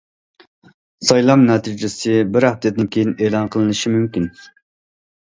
سايلام نەتىجىسى بىر ھەپتىدىن كېيىن ئېلان قىلىنىشى مۇمكىن.